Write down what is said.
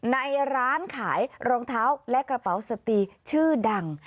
ในร้านขายรองเท้าและกระเป๋าสตีชื่อดัง